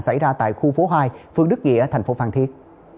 xảy ra tại khu phố hai phương đức nghĩa tp phan thiết